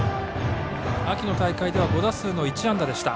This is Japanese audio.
秋の大会では５打数１安打でした。